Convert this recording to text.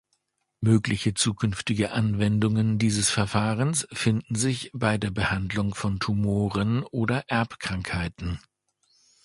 Mögliche zukünftige Anwendungen dieses Verfahrens finden sich bei der Behandlung von Tumoren oder Erbkrankheiten.